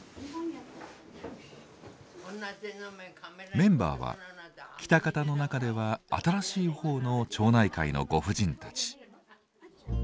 メンバーは喜多方の中では新しい方の町内会のご婦人たち。